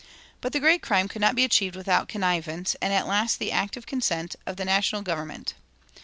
But the great crime could not be achieved without the connivance, and at last the active consent, of the national government.